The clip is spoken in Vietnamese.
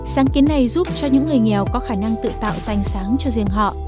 sáng kiến này giúp cho những người nghèo có khả năng tự tạo xanh sáng cho riêng họ